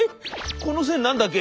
この線何だっけ？